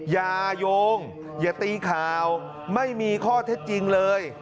อย่าโยงอย่าตีข่าวไม่มีข้อเท็จจริงเลย